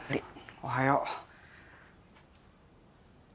おはよう。